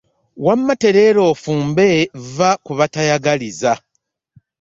Wamma teteera ofumbe vva ku batayagaliza.